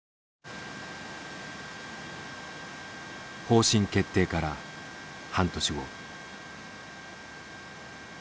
方針決定から半年後。